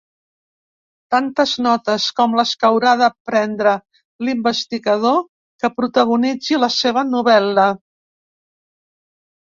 Tantes notes com les que haurà de prendre l'investigador que protagonitzi la seva novel·la.